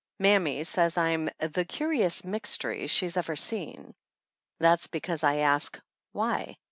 Mammy says I'm "the curiousest mixtry she ever seen." That's because I ask "Why?"